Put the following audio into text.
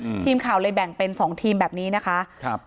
ทีมข่าวเลยแบ่งเป็นสองทีมแบบนี้นะคะครับ